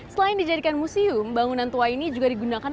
selain dijadikan museum bangunan tua ini juga digunakan